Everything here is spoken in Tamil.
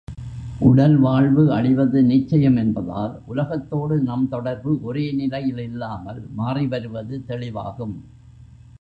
உடல் வாழ்வு அழிவது நிச்சயம் என்பதால், உலகத்தோடு நம் தொடர்பு ஒரே நிலையில் இல்லாமல் மாறிவருவது தெளிவாகும்.